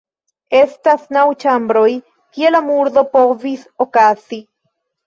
Estas naŭ ĉambroj, kie la murdo povis okazi.